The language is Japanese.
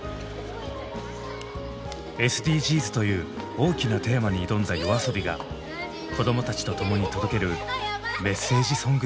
「ＳＤＧｓ」という大きなテーマに挑んだＹＯＡＳＯＢＩが子どもたちと共に届けるメッセージソングです。